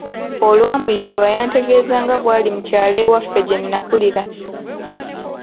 Olwamuyitaba yantegeeza nga bw'ali mu kyalo ewaffe gye nnakulira.